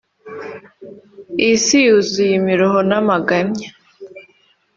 Iyi Si yuzuye imiruho n’amagamya